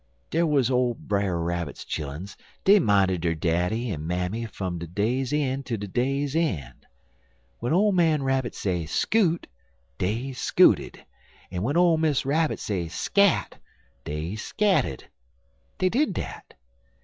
Dar wuz Brer Rabbit's chilluns; dey minded der daddy en mammy fum day's een' ter day's een'. W'en ole man Rabbit say scoot,' dey scooted, en w'en ole Miss Rabbit say 'scat,' dey scatted. Dey did dat.